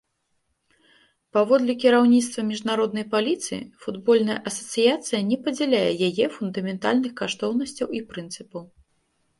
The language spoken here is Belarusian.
Паводле кіраўніцтва міжнароднай паліцыі, футбольная асацыяцыя не падзяляе яе фундаментальных каштоўнасцяў і прынцыпаў.